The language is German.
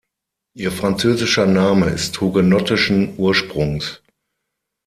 Ihr französischer Name ist hugenottischen Ursprungs.